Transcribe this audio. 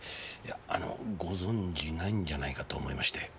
あのご存じないんじゃないかと思いまして。